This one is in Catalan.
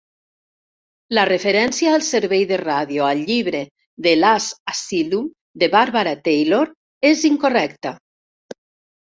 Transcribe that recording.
La referència al servei de ràdio al llibre "The Last Asylum" de Barbara Taylor és incorrecta.